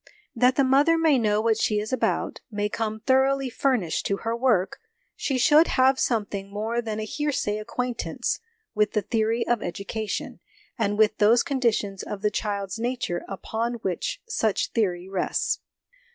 That the mother may know what she is about, may come thoroughly furnished to her work, she should have something more than a hearsay acquaintance with the theory of education, and with those conditions of the child's nature upon which such theory rests.